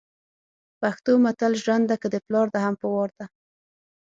پښتو متل ژرنده که دپلار ده هم په وار ده